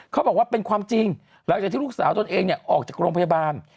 เขาบอกว่าเป็นความจริงหลังจากที่ลูกสาวตนเองออกจากโรงพยาบาล